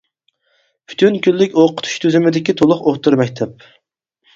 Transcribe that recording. پۈتۈن كۈنلۈك ئوقۇتۇش تۈزۈمىدىكى تولۇق ئوتتۇرا مەكتەپ.